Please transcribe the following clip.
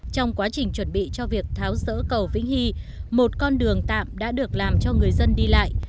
trong quá trình chuẩn bị cho việc tháo rỡ cầu vĩnh hy một con đường tạm đã được làm cho người dân đi lại